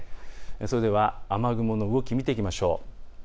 それでは雨雲の動き見ていきましょう。